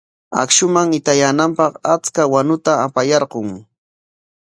Akshuman hitayaananpaq achka wanuta apayarqun.